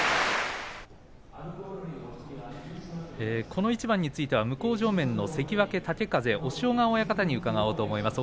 この一番については向正面の関脇豪風押尾川親方に伺おうと思います。